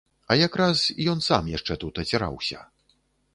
А якраз ён сам яшчэ тут аціраўся.